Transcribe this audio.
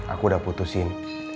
aku udah putusin